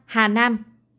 hai mươi ba hà nam